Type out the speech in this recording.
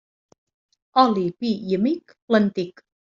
Oli, vi i amic, l'antic.